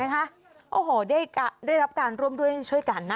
ค่ะใช่ไหมคะโอ้โหได้รับการร่วมด้วยช่วยกันนะ